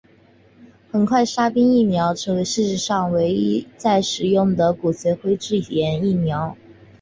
很快沙宾疫苗就变成世界上唯一在使用的脊髓灰质炎疫苗。